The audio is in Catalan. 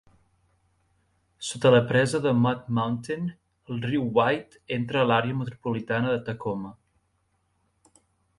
Sota la presa de Mud Mountain, el riu White entra a l'àrea metropolitana de Tacoma.